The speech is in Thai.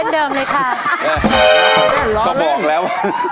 โดนแล้ว